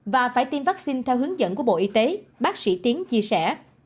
và phải tiêm vaccine theo hướng dẫn của bộ y tế bác sĩ tiến chia sẻ